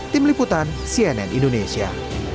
tim liputan cnn indonesia